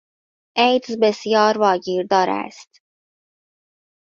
ایدز بسیار واگیردار است.